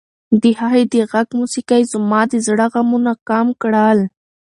د هغې د غږ موسیقۍ زما د زړه غمونه کم کړل.